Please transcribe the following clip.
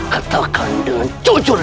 katakan dengan jujur